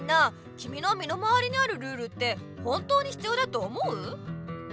きみのみのまわりにあるルールって本当に必要だと思う？